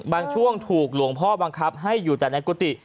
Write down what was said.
บางช่วงถูกหลวงพ่อบังคับให้อยู่แต่ในกุฏิ